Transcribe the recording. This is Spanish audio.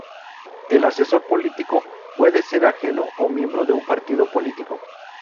El asesor político puede ser ajeno o miembro de un partido político.